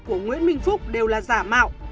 của nguyễn minh phúc đều là giả mạo